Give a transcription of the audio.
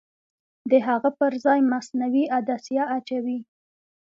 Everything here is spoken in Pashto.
د هغه پرځای مصنوعي عدسیه اچوي.